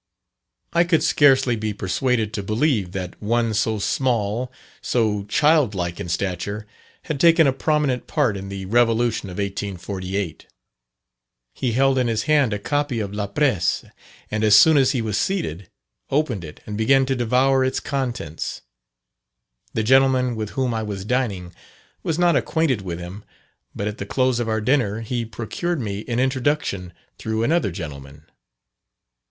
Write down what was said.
I could scarcely be persuaded to believe that one so small, so child like in stature, had taken a prominent part in the Revolution of 1848. He held in his hand a copy of La Presse, and as soon as he was seated, opened it and began to devour its contents. The gentleman with whom I was dining was not acquainted with him, but at the close of our dinner he procured me an introduction through another gentleman.